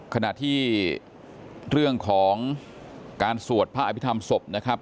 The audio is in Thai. ขณะที่เรื่องของการสวดพระอภิษฐรรมศพนะครับ